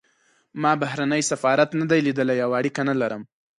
ما بهرنی سفارت نه دی لیدلی او اړیکه نه لرم.